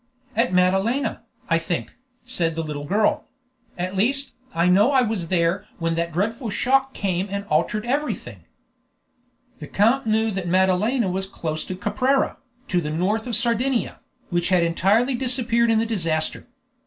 "At Madalena, I think," said the little girl; "at least, I know I was there when that dreadful shock came and altered everything." The count knew that Madalena was close to Caprera, to the north of Sardinia, which had entirely disappeared in the disaster.